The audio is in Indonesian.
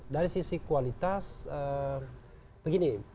dari sisi kualitas begini